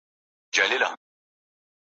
چنان مکن که کني جلوه در چنین مجلس